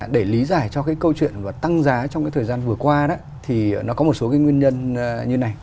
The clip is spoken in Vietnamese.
để lý giải cho cái câu chuyện tăng giá trong cái thời gian vừa qua đó thì nó có một số cái nguyên nhân như này